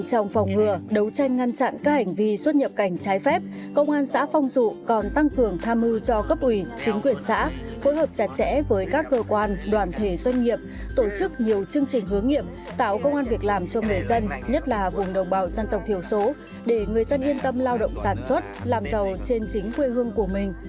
trong phòng ngừa đấu tranh ngăn chặn các hành vi xuất nhập cảnh trái phép công an xã phong rụ còn tăng cường tham ưu cho cấp ủy chính quyền xã phối hợp chặt chẽ với các cơ quan đoàn thể doanh nghiệp tổ chức nhiều chương trình hướng nghiệp tạo công an việc làm cho bể dân nhất là vùng đồng bào dân tộc thiểu số để người dân yên tâm lao động sản xuất làm giàu trên chính quê hương của mình